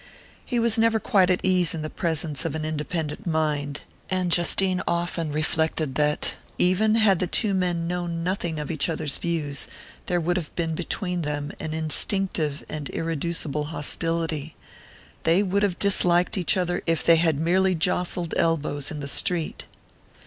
He was never quite at ease in the presence of an independent mind, and Justine often reflected that, even had the two men known nothing of each other's views, there would have been between them an instinctive and irreducible hostility they would have disliked each other if they had merely jostled elbows in the street.